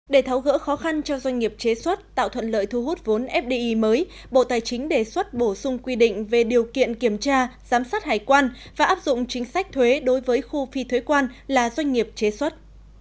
để tháo gỡ khó khăn cho doanh nghiệp chế xuất tạo thuận lợi thu hút vốn fdi mới bộ tài chính đề xuất bổ sung quy định về điều kiện kiểm tra giám sát hải quan và áp dụng chính sách thuế đối với khu phi thuế quan là doanh nghiệp chế xuất